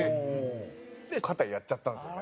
で肩やっちゃったんですよね。